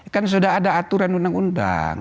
kan sudah ada aturan undang undang